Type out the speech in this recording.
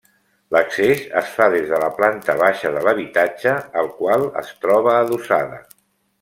L’accés es fa des de la planta baixa de l’habitatge al qual es troba adossada.